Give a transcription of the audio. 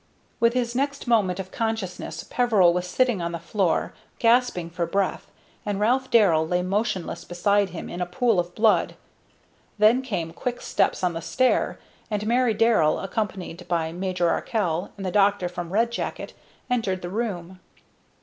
With his next moment of consciousness Peveril was sitting on the floor gasping for breath, and Ralph Darrell lay motionless beside him in a pool of blood. Then came quick steps on the stair, and Mary Darrell, accompanied by Major Arkell and the doctor from Red Jacket, entered the room.